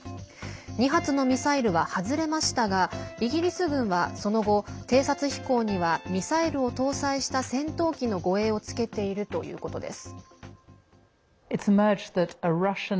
２発のミサイルは外れましたがイギリス軍は、その後偵察飛行にはミサイルを搭載した戦闘機の護衛をつけているということです。